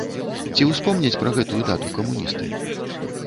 Ці успомняць пра гэтую дату камуністы?